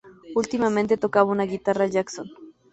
Últimamente tocaba una guitarra Jackson.